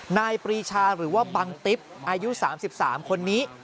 ปรีชาหรือว่าบังติ๊บอายุ๓๓คนนี้